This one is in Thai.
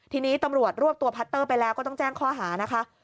ทีนี้ตำรวจรวบตัวพัตเตอร์ไปแล้วก็ต้องแจ้งข้อหานะคะ